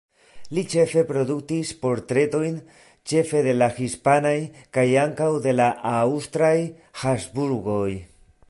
Li ĉefe produktis portretojn, ĉefe de la hispanaj, kaj ankaŭ de la aŭstraj, Habsburgoj.